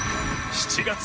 ７月。